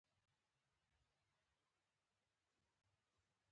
انار د افغان تاریخ په کتابونو کې په تفصیل ذکر شوي دي.